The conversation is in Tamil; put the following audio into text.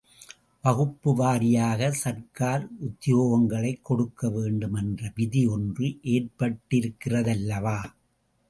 வகுப்பு வாரியாகச் சர்க்கார் உத்தியோகங்களைக் கொடுக்க வேண்டுமென்ற விதி ஒன்று ஏற்பட்டிருக்கிறதல்லவா?